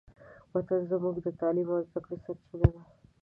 وطن زموږ د تعلیم او زدهکړې سرچینه ده.